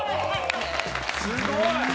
「すごーい！」